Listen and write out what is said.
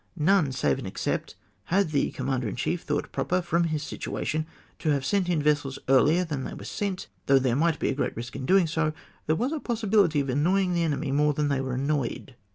—" None; save and except, had the Commander in chief thought proper, from his situation, to have sent in VESSELS earliee THAN THEY WERE SENT, though there might be a great risk in so doing, there was a possibility of annoying the enemy more than they were annoyed."